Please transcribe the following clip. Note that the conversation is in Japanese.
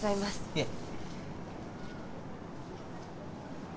いえ。